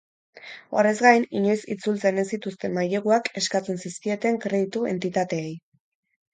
Horrez gain, inoiz itzultzen ez zituzten maileguak eskatzen zizkieten kreditu entitateei.